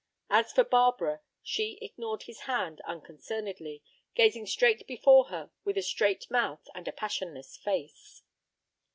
As for Barbara, she ignored his hand unconcernedly, gazing straight before her with a straight mouth and a passionless face.